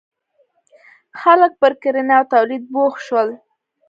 • خلک پر کرنې او تولید بوخت شول.